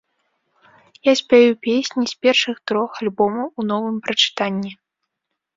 Я спяю песні з першых трох альбомаў у новым прачытанні.